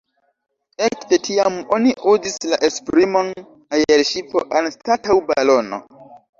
Ekde tiam oni uzis la esprimon aerŝipo anstataŭ balono.